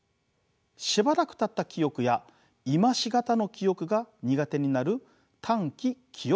しばらくたった記憶や今し方の記憶が苦手になる短期記憶障害。